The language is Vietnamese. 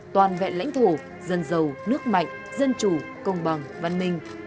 toàn vẹn lãnh thổ dân giàu nước mạnh dân chủ công bằng văn minh